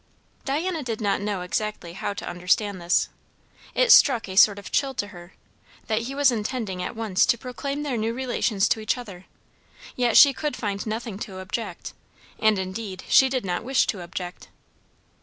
Diana did not know exactly how to understand this. It struck a sort of chill to her, that he was intending at once to proclaim their new relations to each other; yet she could find nothing to object, and indeed she did not wish to object.